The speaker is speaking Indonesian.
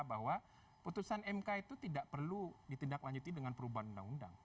bahwa putusan mk itu tidak perlu ditindaklanjuti dengan perubahan undang undang